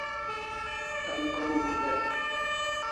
Tan krom khulai